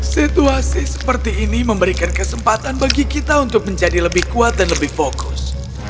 situasi seperti ini memberikan kesempatan bagi kita untuk menjadi lebih kuat dan lebih fokus